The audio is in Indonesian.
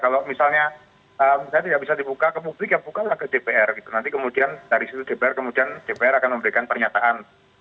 kalau misalnya tidak bisa dibuka ke publik ya bukalah ke dpr gitu nanti kemudian dari situ dpr kemudian dpr akan memberikan pernyataan